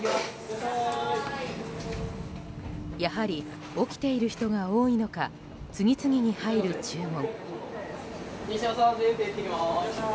やはり起きている人が多いのか次々に入る注文。